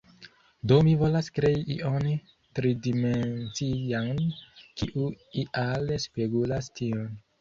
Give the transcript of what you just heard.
Do mi volas krei ion tridimencian, kiu ial spegulas tion.